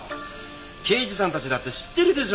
刑事さんたちだって知ってるでしょ